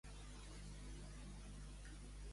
Paréixer el fava de Ramonet.